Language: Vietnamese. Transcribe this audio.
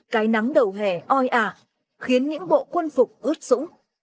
cái nắng đầu hè oi ả khiến những bộ quân phục ướt sũng